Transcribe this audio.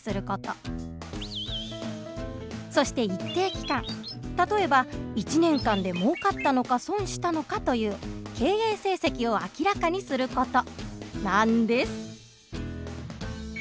そして一定期間例えば１年間でもうかったのか損したのかという経営成績を明らかにする事なんです。